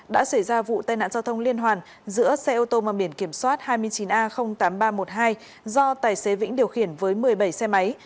đã xảy ra vụ tai nạn giao thông liên hoàn giữa xe ô tô mà biển kiểm soát hai mươi chín a tám nghìn ba trăm một mươi hai do tài xế vĩnh điều khiển với một mươi bảy xe máy